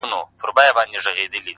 • هغه به خپل زړه په ژړا وویني،